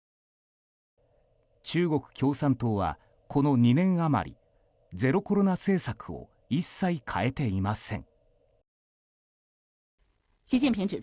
中国共産党はこの２年余りゼロコロナ政策を一切変えていません。